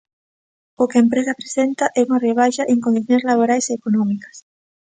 O que a empresa presenta é unha rebaixa en condicións laborais e económicas.